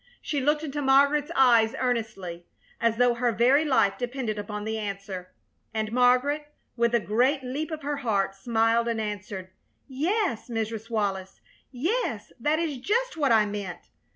She looked into Margaret's eyes earnestly, as though her very life depended upon the answer; and Margaret, with a great leap of her heart, smiled and answered: "Yes, Mrs. Wallis, yes, that is just what I meant.